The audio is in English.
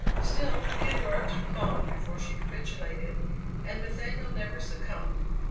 Still Theodora took long before she capitulated, and Nathaniel never succumbed.